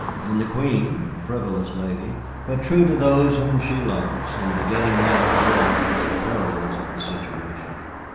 And the Queen, a frivolous lady, but true to those whom she loves, and beginning now to realize the perils of the situation."